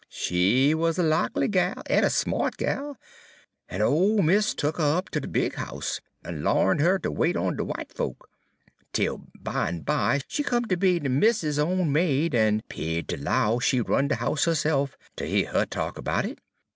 She wuz a lackly gal en a smart gal, en ole mis' tuk her up ter de big house, en l'arnt her ter wait on de w'ite folks, 'tel bimeby she come ter be mis's own maid, en 'peared ter 'low she run de house herse'f, ter heah her talk erbout it.